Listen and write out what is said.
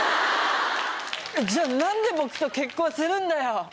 じゃあ何で僕と結婚するんだよ？